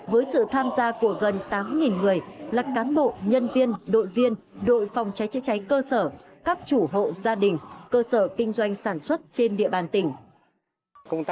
với sự tham gia của gần tám người là cán bộ nhân viên đội viên đội phòng cháy chữa cháy cơ sở các chủ hộ gia đình cơ sở kinh doanh sản xuất trên địa bàn tỉnh